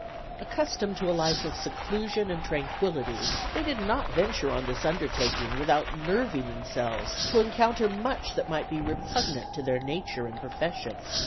Accustomed to a life of seclusion and tranquillity, they did not venture on this undertaking without nerving themselves to encounter much that might be repugnant to their nature and profession.